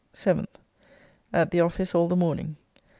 7th. At the office all the morning.